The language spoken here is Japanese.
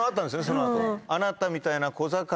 その後。